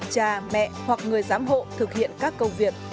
cha mẹ hoặc người giám hộ thực hiện các công việc